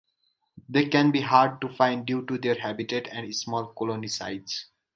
They can be hard to find due to their habitat and small colony size.